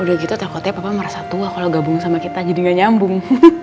udah gitu takutnya papa merasa tua kalau gabung sama kita jadi gak nyambung